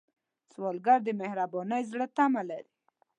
سوالګر د مهربان زړه تمه لري